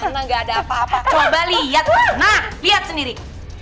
neng gak ada apa apa coba liat nah liat sendiri